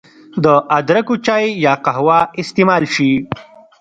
د ادرکو چای يا قهوه استعمال شي